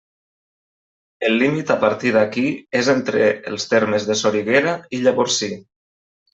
El límit a partir d'aquí és entre els termes de Soriguera i Llavorsí.